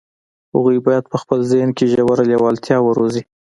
هغوی بايد په خپل ذهن کې ژوره لېوالتیا وروزي.